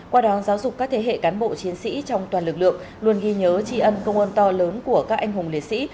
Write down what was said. qua đó giáo dục các thế hệ cán bộ chiến sĩ trong toàn lực lượng luôn ghi nhớ trì ân công an to lớn của các anh hùng liệt sĩ